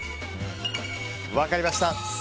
分かりました。